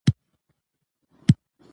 سنگ مرمر د افغان کلتور سره تړاو لري.